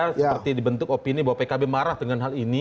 seperti dibentuk opini bahwa pkb marah dengan hal ini